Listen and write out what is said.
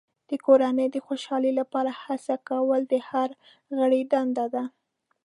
د کورنۍ د خوشحالۍ لپاره هڅې کول د هر غړي دنده ده.